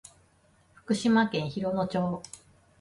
福島県広野町